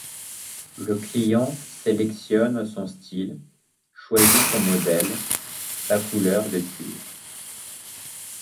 Le client sélectionne son style, choisit son modèle, sa couleur de cuir.